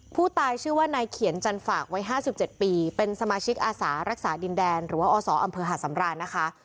ผู้ตายชื่อว่านายเขียนจันฝากไว้๕๗ปีเป็นสมาชิกอาสารักษาดินแดนหรือว่าอศอำเภอหาดสำรานนะคะ